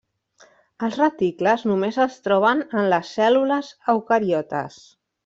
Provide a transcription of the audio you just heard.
Els reticles només es troben en les cèl·lules eucariotes.